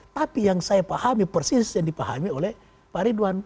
tapi yang saya pahami persis yang dipahami oleh pak ridwan